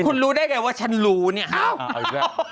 คุณรู้ได้ไงว่าฉันรู้เนี่ย